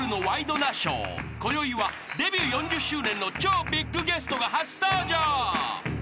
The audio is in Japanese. ［こよいはデビュー４０周年の超ビッグゲストが初登場］